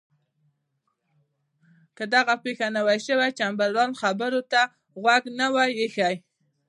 که دغه پېښه نه وای شوې چمبرلاین خبرو ته غوږ نه وای ایښی.